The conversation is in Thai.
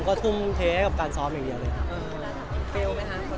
ก็ถูกแถวงานการสอบอยู่เดียว